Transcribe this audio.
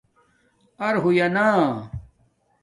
اَر ہوئنا